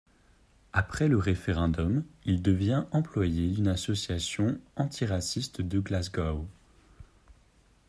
Après le référendum, il devient employé d'une association anti-raciste de Glasgow.